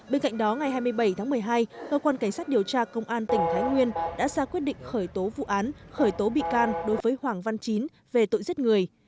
bên cạnh đó ngày hai mươi bảy tháng một mươi hai cơ quan cảnh sát điều tra công an tỉnh thái nguyên đã ra quyết định khởi tố vụ án khởi tố bị can đối với hoàng văn chín về tội giết người